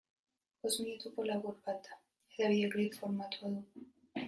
Bost minutuko labur bat da, eta bideoklip formatua du.